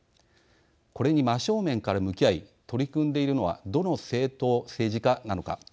これに真正面から向き合い取り組んでいるのはどの政党、政治家なのか。